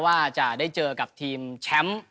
ว่าจะได้เจอกับทีมแชมป์